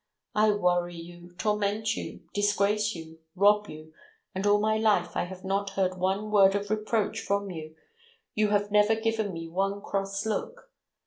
I worry you, torment you, disgrace you, rob you, and all my life I have not heard one word of reproach from you, you have never given me one cross look.